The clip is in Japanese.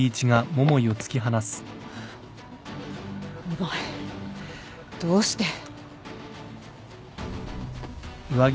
お前どうして。